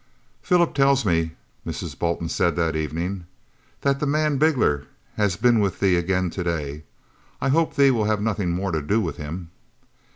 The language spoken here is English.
"Philip tells me," Mrs. Bolton said that evening, "that the man Bigler has been with thee again to day. I hope thee will have nothing more to do with him."